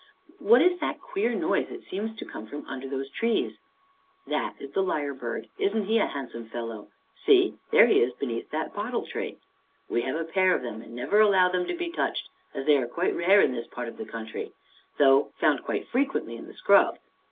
" What is that queer noise? It seemed to come from under those trees." " That is the lyre bird, isn't he a handsome fellow? See, there he is beneath that bottle tree. We have a pair of them and never allow them to be touched, as they are quite rare in this part of the country, though found quite frequently in the scrub.